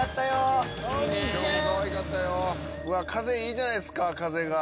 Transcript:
わあ風いいじゃないですか風が。